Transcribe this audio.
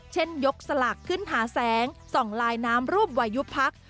เช่นยกสลากขึ้นหาแสงส่องลายน้ำรูปวายุพัก